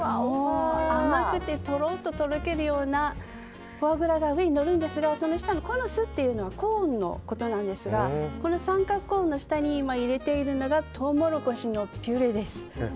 甘くて、とろっととろけるようなフォアグラが上にのるんですがコノスというのはコーンのことなんですがこの三角コーンの下にトウモロコシのピュレです。